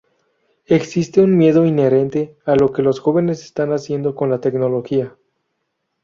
Existe un miedo inherente a lo que los jóvenes están haciendo con la tecnología.